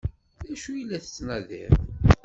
D acu i la tettnadiḍ?